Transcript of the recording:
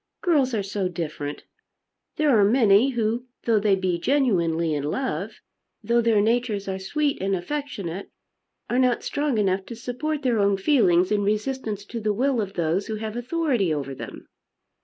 "Girls are so different! There are many who though they be genuinely in love, though their natures are sweet and affectionate, are not strong enough to support their own feelings in resistance to the will of those who have authority over them."